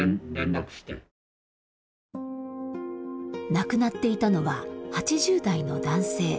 亡くなっていたのは８０代の男性。